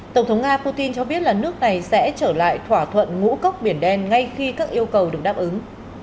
tổng thống nga putin cho biết là nước này sẽ trở lại thỏa thuận ngũ cốc biển đen ngay khi các yêu cầu được đáp ứng